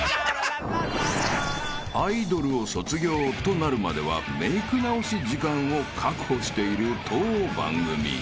［アイドルを卒業となるまではメイク直し時間を確保している当番組］